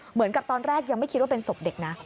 เหมือนกับตอนแรกยังไม่คิดว่าเป็นศพเด็กนะ